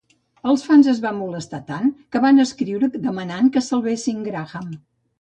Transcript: Els fans es van molestar tant, que van escriure demanant que salvessin Graham.